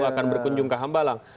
akan berkunjung ke hambalang